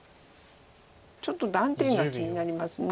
ちょっと断点が気になります。